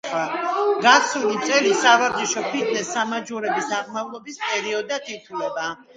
გასული წელი სავარჯიშო ფიტნეს-სამაჯურების აღმავლობის პერიოდად ითვლება.